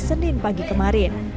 senin pagi kemarin